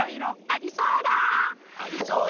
ありそうだ。